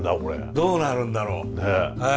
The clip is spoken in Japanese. どうなるんだろう。ねえ。